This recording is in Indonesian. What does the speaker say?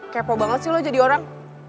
kepo banget sih lo jadi orang